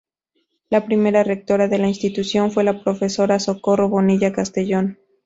La primera rectora de la institución fue la Profesora Socorro Bonilla Castellón.